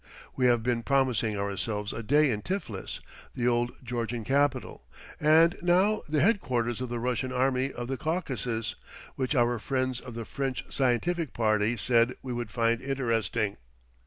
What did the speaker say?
We have been promising ourselves a day in Tiflis, the old Georgian capital, and now the head quarters of the Russian army of the Caucasus, which our friends of the French scientific party said we would find interesting.